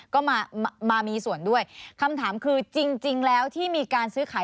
ก็มามามีส่วนด้วยคำถามคือจริงแล้วที่มีการซื้อขาย